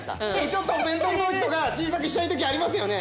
ちょっとお弁当用にとか小さくしたい時ありますよね。